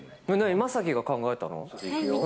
将暉が考えたの？